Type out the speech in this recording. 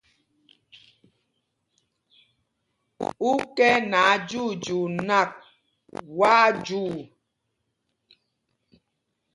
Ú kɛ nɛ ajyuujyuu nak, wá á jyuu.